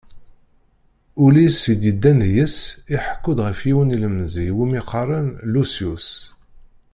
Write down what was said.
Ullis i d-yeddan deg-s iḥekku-d ɣef yiwen ilemẓi iwumi qqaren Lusyus.